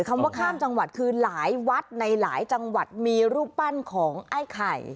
คำว่าข้ามจังหวัดคือหลายวัดในหลายจังหวัดมีรูปปั้นของไอ้ไข่